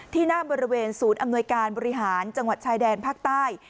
หน้าบริเวณศูนย์อำนวยการบริหารจังหวัดชายแดนภาคใต้